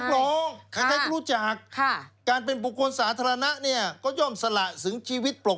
ล็อกสตาร์เป็นนักร้องใครรู้จัก